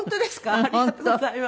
ありがとうございます。